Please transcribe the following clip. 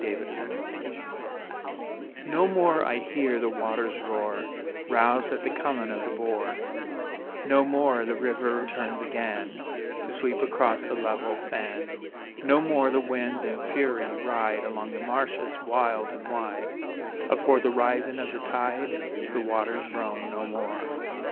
Peter Wray No more I hear the waters roar, Roused at the comin' of the bore, No more the river turns agen, To sweep across the level fen; No more the winds in fury ride Along the marshes wild and wide Afore the risin' of the tide: The waters roam no more.